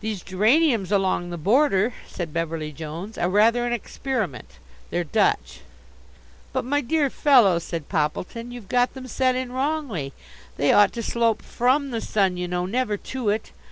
"These geraniums along the border," said Beverly Jones, "are rather an experiment. They're Dutch." "But my dear fellow," said Poppleton, "you've got them set in wrongly. They ought to slope from the sun you know, never to it.